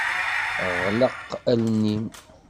Ɣleq allen-im.